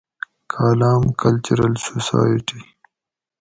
کالام کلچرل سوسائٹی